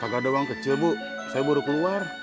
kagak ada uang kecil bu saya baru keluar